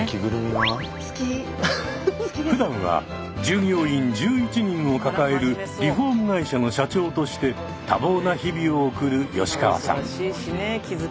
ふだんは従業員１１人を抱えるリフォーム会社の社長として多忙な日々を送る吉川さん。